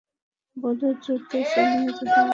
বদর যুদ্ধে সে নিহত হয়।